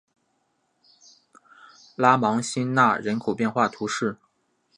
拉芒辛讷人口变化图示